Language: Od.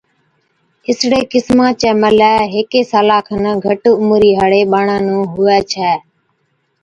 اِسڙِي قِسما چَي ملَي هيڪي سالا کن گھٽ عمرِي هاڙِي ٻاڙا نُون هُوَي ڇَي